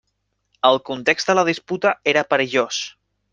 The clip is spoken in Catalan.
El context de la disputa era perillós.